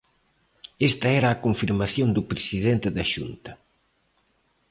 Esta era a confirmación do presidente da Xunta.